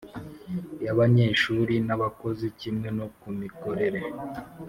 Y abanyeshuri n abakozi kimwe no ku mikorere